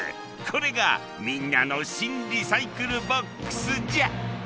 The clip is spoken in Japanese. これがみんなのシン・リサイクルボックスじゃ！